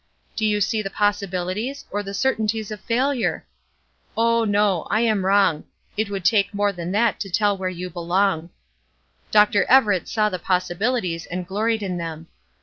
Do you see the possibilities, or the certainties of failure? Oh, no, I am wrong; it would take more than that to tell where you belong. Dr. Everett saw the possibilities and gloried in them.